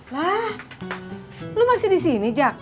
lah lo masih di sini jak